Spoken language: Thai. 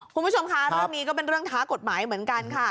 คุณผู้ชมคะเรื่องนี้ก็เป็นเรื่องท้ากฎหมายเหมือนกันค่ะ